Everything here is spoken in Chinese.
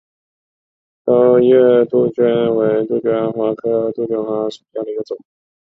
皋月杜鹃为杜鹃花科杜鹃花属下的一个种。